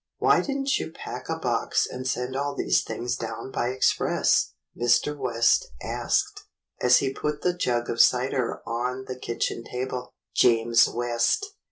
"Why did n't you pack a box and send all these things down by express.?" Mr. West asked, as he put the jug of cider on the kitchen table. "James West!"